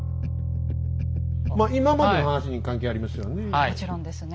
まあ今までの話に関係ありますよね？